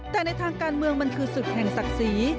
แต่ในทางการเมืองมันคือศึกแห่งศักดิ์ศรี